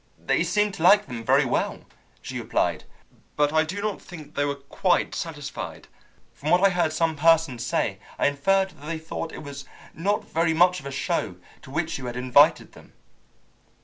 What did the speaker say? "They seemed to like them very well," she replied, "but I do not think they were quite satisfied. From what I heard some persons say, I inferred that they thought it was not very much of a show to which you had invited them."